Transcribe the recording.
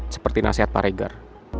seperti nasihat pak regar